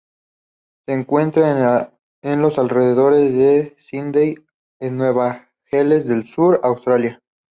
Se encuentra en los alrededores de Sídney, en Nueva Gales del Sur, Australia.